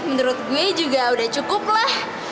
menurut gue juga udah cukup lah